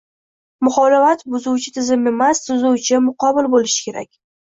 Muxolifat buzuvchi tizim emas, tuzuvchi, muqobil bo‘lishi kerak